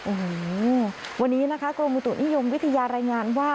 โอ้โหวันนี้นะคะกรมอุตุนิยมวิทยารายงานว่า